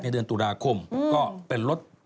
เดือนตุลาคมก็เป็นรถ